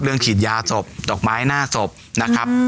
ฉีดยาศพดอกไม้หน้าศพนะครับ